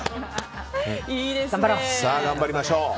頑張りましょう。